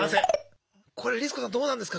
これリス子さんどうなんですか？